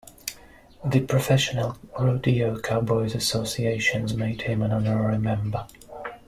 The Professional Rodeo Cowboys Associations made him an honorary member.